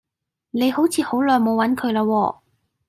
你好似好耐冇揾佢啦喎